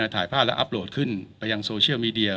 ถ่ายภาพแล้วอัพโหลดขึ้นไปยังโซเชียลมีเดีย